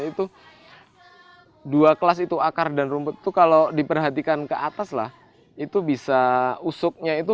itu dua kelas itu akar dan rumput itu kalau diperhatikan ke atas lah itu bisa usuknya itu